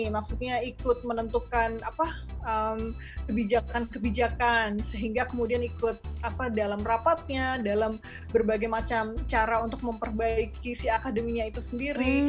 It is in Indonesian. maksudnya ikut menentukan kebijakan kebijakan sehingga kemudian ikut dalam rapatnya dalam berbagai macam cara untuk memperbaiki si akademinya itu sendiri